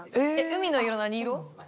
海の色何色？